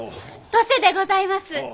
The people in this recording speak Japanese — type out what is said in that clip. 登勢でございます。